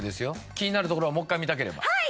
気になるところをもう一回見たければはい！